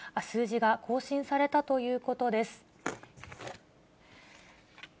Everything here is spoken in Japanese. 数字が更新されたということです。